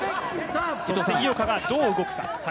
そして井岡がどう動くか。